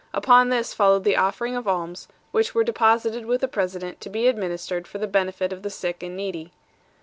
Upon this followed the offering of alms, which were deposited with the president to be administered for the benefit of the sick and needy.